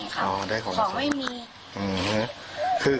ได้ออกไป๔รอบแต่ได้ของมา๒รอบเองของไม่มี